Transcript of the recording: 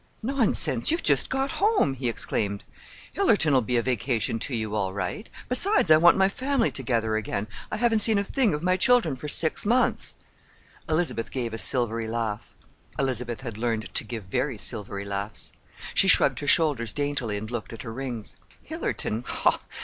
"Nonsense, you've just got home!" he exclaimed. "Hillerton'll be a vacation to you all right. Besides, I want my family together again. I haven't seen a thing of my children for six months." Elizabeth gave a silvery laugh. (Elizabeth had learned to give very silvery laughs.) She shrugged her shoulders daintily and looked at her rings. "Hillerton?